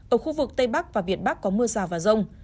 ở khu vực tây bắc và việt bắc có mưa rào và rông